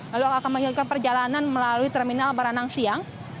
lalu akan melanjutkan perjalanan melalui terminal baranang siang